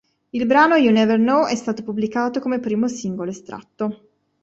Il brano "You Never Know" è stato pubblicato come primo singolo estratto.